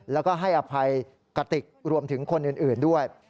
แล้วก็ให้อภัยกติกรวมถึงคนอื่นด้วย